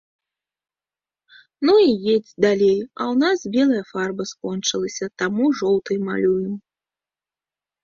Ну і едзь далей, а ў нас белая фарба скончылася, таму жоўтай малюем.